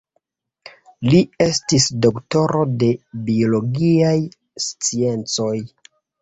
Li estas doktoro de biologiaj sciencoj.